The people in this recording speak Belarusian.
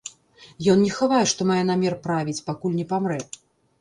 Ён не хавае, што мае намер правіць, пакуль не памрэ.